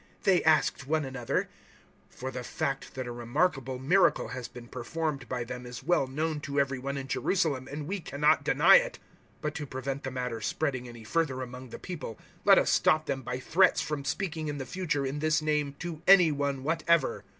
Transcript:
they asked one another; for the fact that a remarkable miracle has been performed by them is well known to every one in Jerusalem, and we cannot deny it. 004:017 But to prevent the matter spreading any further among the people, let us stop them by threats from speaking in the future in this name to any one whatever."